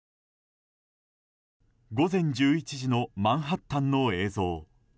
午前１１時のマンハッタンの映像。